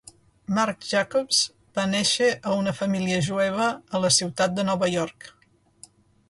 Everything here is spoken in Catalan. Marc Jacobs va néixer a una família jueva a la ciutat de Nova York.